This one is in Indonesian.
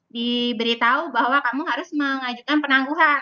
diberitahu bahwa kamu harus mengajukan penangguhan